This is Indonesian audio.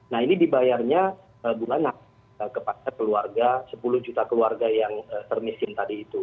nah ini dibayarnya buang buang kepada keluarga sepuluh juta keluarga yang termisin tadi itu